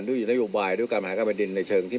ด้วยกฎหมายบังคมไปทำใช่ไหม